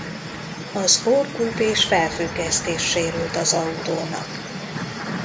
Az orrkúp és felfüggesztés sérült az autónak.